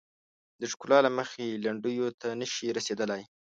د ښکلا له مخې لنډیو ته نه شي رسیدلای.